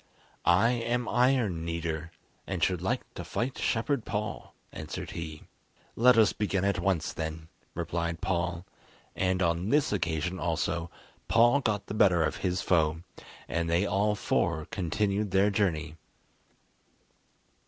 "I am Iron Kneader, and should like to fight Shepherd Paul," answered he. "Let us begin at once then," replied Paul; and on this occasion also, Paul got the better of his foe, and they all four continued their journey.